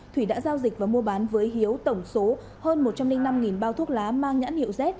thủy đã giao dịch và mua bán với hiếu tổng số hơn một trăm linh năm bao thuốc lá mang nhãn hiệu z